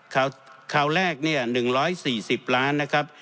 คราวคราวแรกเนี่ยหนึ่งร้อยสี่สิบล้านนะครับ